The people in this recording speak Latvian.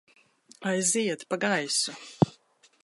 Aiziet pa gaisu!